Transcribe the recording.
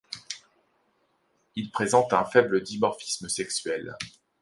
Il présente un faible dimorphisme sexuel.